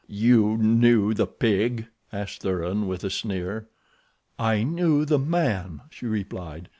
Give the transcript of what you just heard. "You knew the pig?" asked Thuran, with a sneer. "I knew the man," she replied.